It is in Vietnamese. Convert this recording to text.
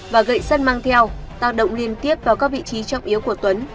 và gậy sắt mang theo tác động liên tiếp vào các vị trí trọng yếu của tuấn